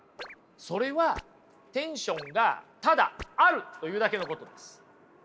それはテンションがただあるというだけのことです。